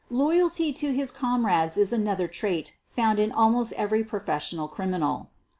Loyalty to his comrades is another trait found in almost every professional criminal.